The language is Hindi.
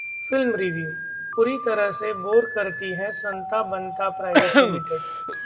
Film Review: पूरी तरह से बोर करती है 'संता बंता प्राइवेट लिमिटेड'